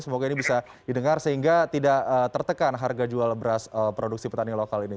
semoga ini bisa didengar sehingga tidak tertekan harga jual beras produksi petani lokal ini